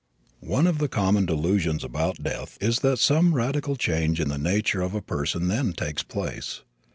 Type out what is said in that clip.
One of the common delusions about death is that some radical change in the nature of a person then takes place.